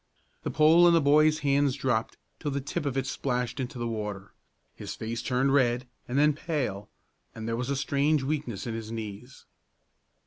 The pole in the boy's hands dropped till the tip of it splashed into the water; his face turned red and then pale, and there was a strange weakness in his knees.